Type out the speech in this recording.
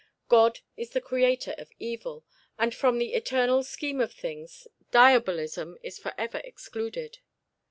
God is the creator of evil, and from the eternal scheme of things diabolism is forever excluded.